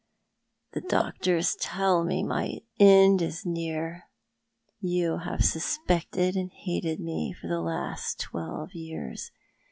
" The doctors tell me my end is near. You have suspected and hated me for the last twelve years.